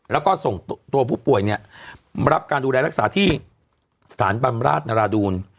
แล้วก็ส่งตัวผู้ป่วยเนี่ยรับการดูแลรักษาที่สถานบำราชนราดูล